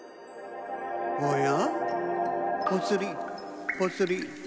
おや？